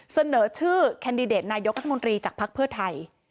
เสนอชื่อแคนดิเดตนายกทางมนตรีจากพักเพิร์ชไทย